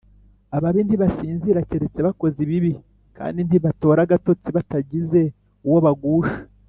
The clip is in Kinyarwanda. ababi ntibasinzira keretse bakoze ibibi, kandi ntibatora agatotsi batagize uwo bagusha,